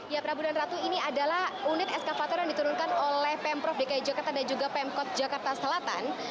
ya prabu dan ratu ini adalah unit eskavator yang diturunkan oleh pemprov dki jakarta dan juga pemkot jakarta selatan